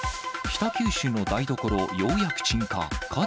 北九州の台所、ようやく鎮火。